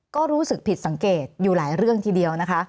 ก็รู้สึกผิดสังเกตอยู่หลายเรื่องทีเดียวนะคะ